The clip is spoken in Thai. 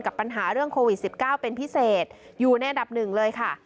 ปัญหาเรื่องโควิด๑๙เป็นพิเศษอยู่ในอันดับหนึ่งเลยค่ะ